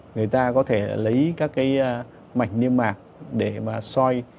người ta có thể lấy các mảnh niêm mạc để soi